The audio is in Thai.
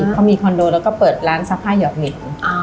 เขามีคอนโดแล้วก็เปิดร้านซักผ้าหยอดเหรียญ